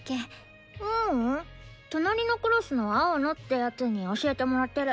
ううん隣のクラスの青野って奴に教えてもらってる。